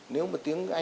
nếu mà tiếng anh